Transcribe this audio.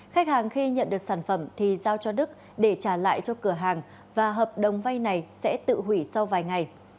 khách hàng khi nhận được sản phẩm thì giao cho đức để trả lại cho cửa hàng và hợp đồng vay này sẽ tự hủy sau vài ngày